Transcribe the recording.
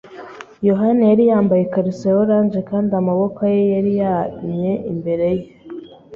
yohani yari yambaye ikariso ya orange kandi amaboko ye yariyamye imbere ye.